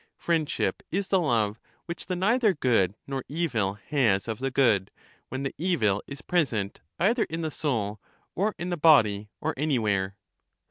Friendship is the love which the neither good nor evil has of the good, when the evil is present, either in the soul, or in the body, or anywhere.